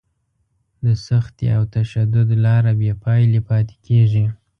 د سختي او تشدد لاره بې پایلې پاتې کېږي.